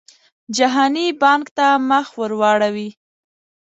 جهاني بانک ته مخ ورواړوي.